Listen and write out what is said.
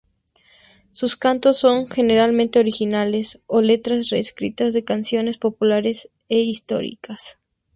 Sus cantos son generalmente originales o letras reescritas de canciones populares e históricas.